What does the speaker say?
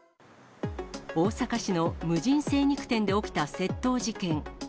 大阪市の無人精肉店で起きた窃盗事件。